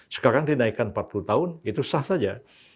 sekarang dinaikkan empat puluh tahun itu sah saja